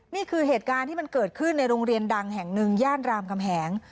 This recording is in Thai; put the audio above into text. นี่คือเหตุการณ์ที่มันเกิดขึ้นในโรงเรียนดังแห่งหนึ่งย่านรามคำแหง